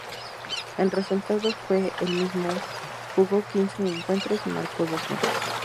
El resultado fue el mismo: jugó quince encuentros y marcó dos goles.